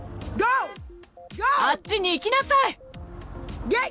あっちに行きなさい！